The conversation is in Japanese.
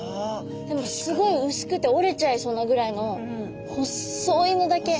でもすごい薄くて折れちゃいそうなぐらいのほっそいのだけ。